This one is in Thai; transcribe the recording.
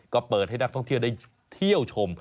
ก็เปิดให้นักท่องเที่ยวได้เที่ยวชม